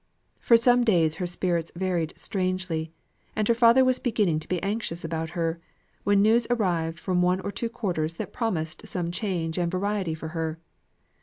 For some days her spirits varied strangely; and her father was beginning to be anxious about her, when news arrived from one or two quarters that promised some change and variety for her.